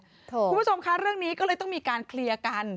คุณผู้ชมคะเรื่องนี้ก็เลยต้องมีการเคลียร์กัน